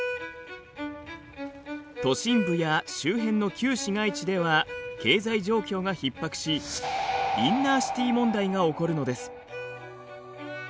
都心部や周辺の旧市街地では経済状況がひっ迫しインナーシティ問題が起こるのです。